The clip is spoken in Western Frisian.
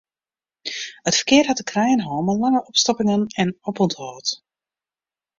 It ferkear hat te krijen hân mei lange opstoppingen en opûnthâld.